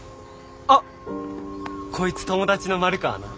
あっこいつ友達の丸川な。